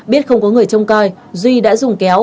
biết không có người trông coi duy đã dùng kéo